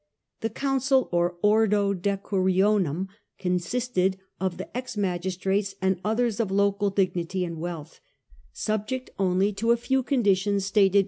The council, or ordo decurionu7n^ consisted of the ex The town magistrates and others of local dignity and wealth, subject only to a few conditions stated onum.